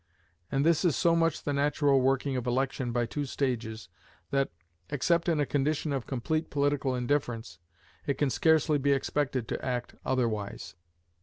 And this is so much the natural working of election by two stages, that, except in a condition of complete political indifference, it can scarcely be expected to act otherwise.